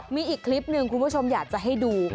มีอีกคลิปหนึ่งคุณผู้ชมอยากจะให้ดู